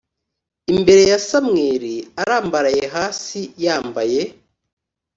imbere ya Samweli arambaraye hasi yambaye